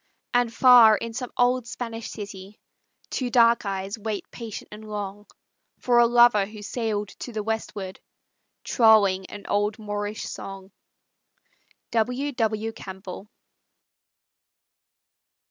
And far in some old Spanish city, Two dark eyes wait patient and long For a lover who sailed to the westward, Trolling an old Moorish song. W. W. CAMPBELL.